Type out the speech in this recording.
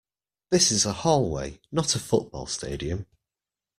This is a hallway, not a football stadium!